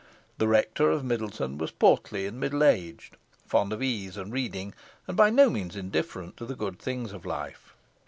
The Rector of Middleton was portly and middle aged, fond of ease and reading, and by no means indifferent to the good things of life.